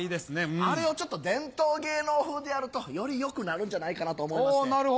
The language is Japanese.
あれをちょっと伝統芸能風でやるとよりよくなるんじゃないかなと思いまして。